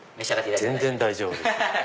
全然大丈夫です。